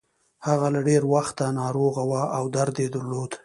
هغه له ډېره وخته ناروغه وه او درد يې درلود.